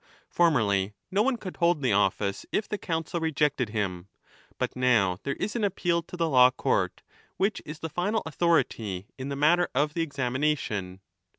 Formerly no one could hold the office if the Council re jected him, but now there is an appeal to the law court, which is the final authority in the matter of the examination.